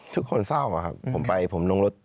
ทุกคนเศร้าอะครับผมไปผมลงรถ